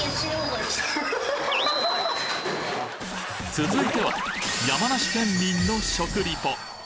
続いては山梨県民の食リポ